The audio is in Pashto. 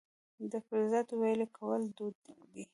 د فلزاتو ویلې کول دود و